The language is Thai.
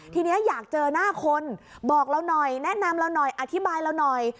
ทีนี้อยากเจอหน้าคนบอกเราหน่อยแนะนำเราหน่อยอธิบายเราหน่อย